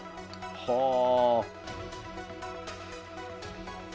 はあ！